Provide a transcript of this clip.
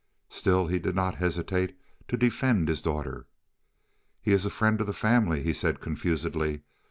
Still he did not hesitate to defend his daughter. "He is a friend of the family," he said confusedly.